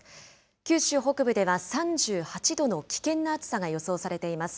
九州北部では３８度の危険な暑さが予想されています。